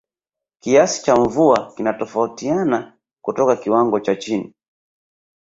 Kiasi cha mvua kinatofautiana kutoka kiwango cha chini